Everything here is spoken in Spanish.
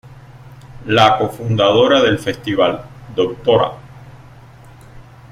La co-fundadora del Festival, Dra.